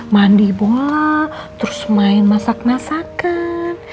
mandi bola terus main masak masakan